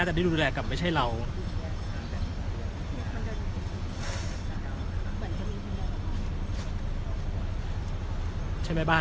ไม่ใช่นี่คือบ้านของคนที่เคยดื่มอยู่หรือเปล่า